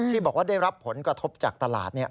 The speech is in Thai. ที่บอกว่าได้รับผลกระทบจากตลาด